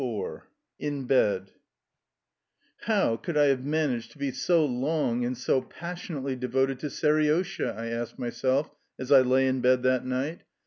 XXIV IN BED "How could I have managed to be so long and so passionately devoted to Seriosha?" I asked myself as I lay in bed that night.